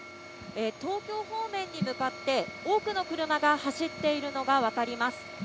東京方面に向かって、多くの車が走っているのが分かります。